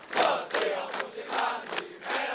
jatia musik dan jimera